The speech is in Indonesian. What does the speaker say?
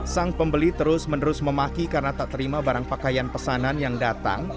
sang pembeli terus menerus memaki karena tak terima barang pakaian pesanan yang datang